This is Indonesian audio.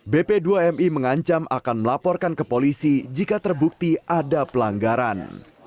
bp dua mi mengancam akan melaporkan ke polisi jika terbukti ada pelanggaran